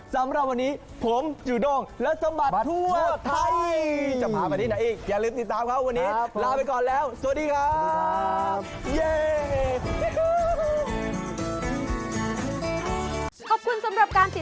สำหรับวันนี้ผมจุดงและสมบัติทั่วทาง